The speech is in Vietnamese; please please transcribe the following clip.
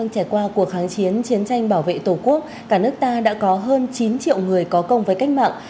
trải qua cuộc kháng chiến chiến tranh bảo vệ tổ quốc cả nước ta đã có hơn chín triệu người có công với cách mạng